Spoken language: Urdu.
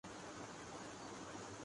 کیسے کما لیتے ہیں؟